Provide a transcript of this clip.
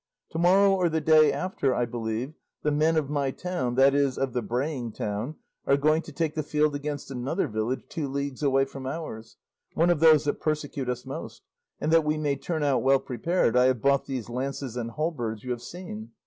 To morrow or the day after, I believe, the men of my town, that is, of the braying town, are going to take the field against another village two leagues away from ours, one of those that persecute us most; and that we may turn out well prepared I have bought these lances and halberds you have seen.